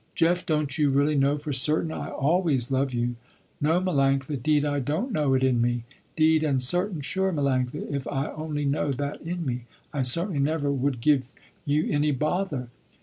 "Jeff don't you really know for certain, I always love you?" "No Melanctha, deed I don't know it in me. Deed and certain sure Melanctha, if I only know that in me, I certainly never would give you any bother."